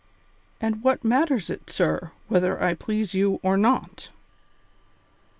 "And what matters it, sir, whether I please you or not?"